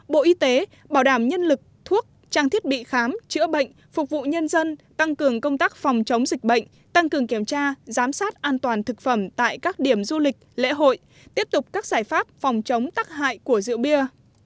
bộ y tế bảo đảm nhân lực thuốc trang thiết bị khám chữa bệnh phục vụ nhân dân tăng cường công tác phòng chống dịch bệnh tăng cường kiểm tra giám sát an toàn thực phẩm tại các điểm du lịch lễ hội tiếp tục các giải pháp phòng chống tắc hại của rượu bia